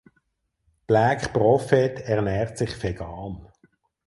Black Prophet ernährt sich vegan.